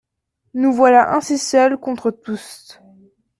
Nous voilà ainsi seuls contre tous.